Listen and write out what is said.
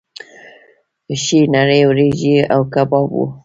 ښې نرۍ وریجې او کباب وو.